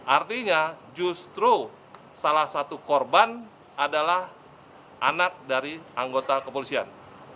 artinya justru salah satu korban adalah anak dari anggota kepolisian